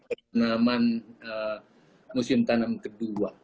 ke penaman musim tanam kedua